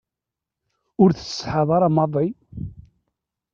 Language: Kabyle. Ur tessetḥaḍ ara maḍi?